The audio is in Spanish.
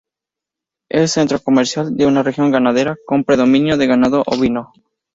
Es centro comercial de una región ganadera, con predominio de ganado ovino.